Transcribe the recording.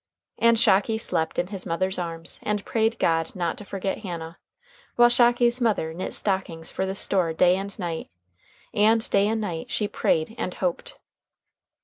And Shocky slept in his mother's arms and prayed God not to forget Hannah, while Shocky's mother knit stockings for the store day and night, and day and night she prayed and hoped.